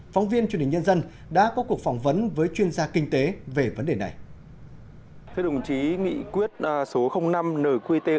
trên truyền hình nhân dân đã có cuộc phỏng vấn với chuyên gia kinh tế về vấn đề này